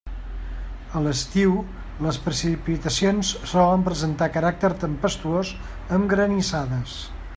A l'estiu les precipitacions solen presentar caràcter tempestuós amb granissades.